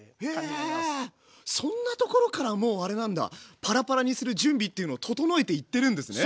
へえそんなところからもうあれなんだパラパラにする準備っていうのを整えていってるんですね。